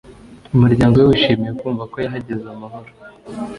Umuryango we wishimiye kumva ko yahageze amahoro